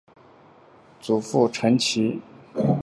祖父陈启。